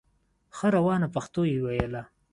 ښه روانه پښتو یې ویله